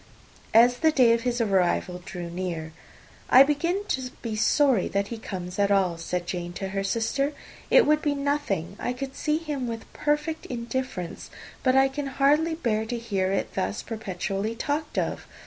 As the day of his arrival drew near, "I begin to be sorry that he comes at all," said Jane to her sister. "It would be nothing; I could see him with perfect indifference; but I can hardly bear to hear it thus perpetually talked of.